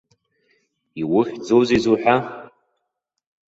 Иухьӡузеи зуҳәа?